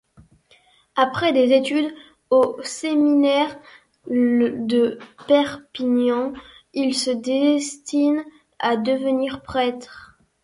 Après des études au séminaire de Perpignan, il se destine à devenir prêtre.